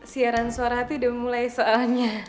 siaran suara hati udah mulai soalnya